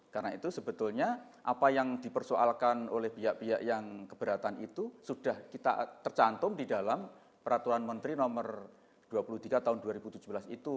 karena itu sebetulnya apa yang dipersoalkan oleh pihak pihak yang keberatan itu sudah kita tercantum di dalam peraturan menteri nomor dua puluh tiga tahun dua ribu tujuh belas itu